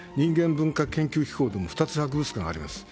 文化研究機構も２つ、博物館があります。